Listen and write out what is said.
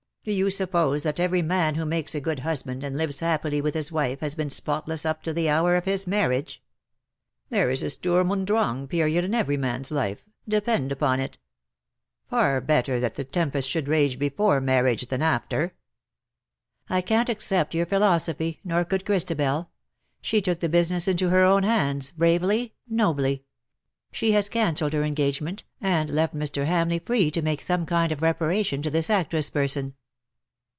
Do you suppose that every man who makes a good husband and lives happily with his wife has been spotless up to the hour of his marriage ? There is a Sturm imd Drang period in every man's life, depend upon it. Far better that the tempest should rage before marriage than ^.fter.'''' " I can't accept your philosophy, nor could Christabel. She took the business into her own handsj bravely, nobly. She has cancelled her engagement, and left Mr. Hamleigh free to make some kind of reparation to this actress person.